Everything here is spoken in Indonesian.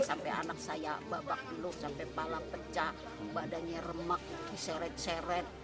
sampai anak saya bak bak dulu sampai palang pecah badannya remak diseret seret